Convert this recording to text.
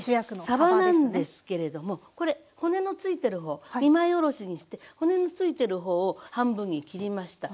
さばなんですけれどもこれ骨の付いてる方二枚おろしにして骨の付いてる方を半分に切りました。